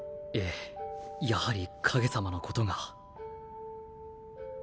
ええやはりカゲ様のことが。